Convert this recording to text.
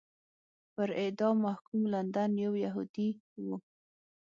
پر اعدام محکوم لندن یو یهودی و.